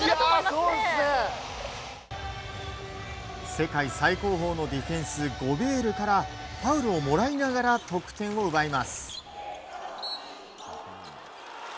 世界最高峰のディフェンスゴベールからファウルをもらいながら得点を奪います。